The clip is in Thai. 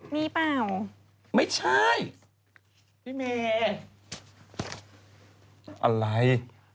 มีเปล่าไม่ใช่พี่เมย์อะไร